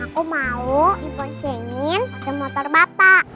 aku mau ikut jengin ke motor bapak